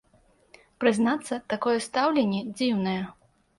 Прызнацца, такое стаўленне дзіўнае.